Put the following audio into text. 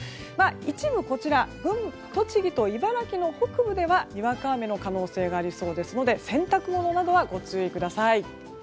一部、栃木と茨城の北部ではにわか雨の可能性がありそうですので洗濯物などはご注意ください。